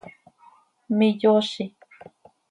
miyoozi.